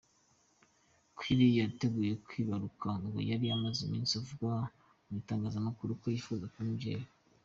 Kylie witegura kwibaruka ngo yari amaze iminsi avuga mu itangazamakuru ko yifuza kuba umubyeyi.